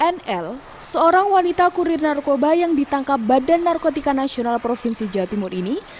nl seorang wanita kurir narkoba yang ditangkap badan narkotika nasional provinsi jawa timur ini